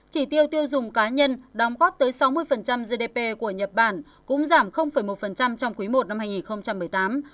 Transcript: chỉ tiêu tiêu dùng cá nhân đóng góp tới sáu mươi gdp của nhật bản cũng giảm một trong quý i năm hai nghìn một mươi tám